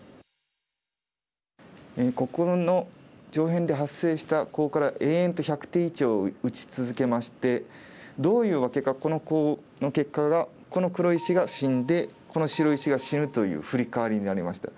ここの上辺で発生したコウから延々と１００手以上打ち続けましてどういうわけかこのコウの結果がこの黒石が死んでこの白石が死ぬというフリカワリになりました。